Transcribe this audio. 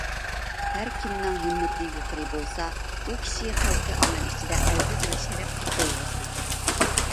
ھەر كىمنىڭ ھىممىتى يۇقىرى بولسا، ئۇ كىشى خەلقى ئالەم ئىچىدە ئەزىز ۋە شەرەپلىك بولغۇسى.